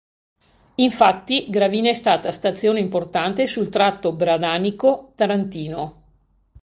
Infatti, Gravina è stata stazione importante sul tratto Bradanico-Tarantino.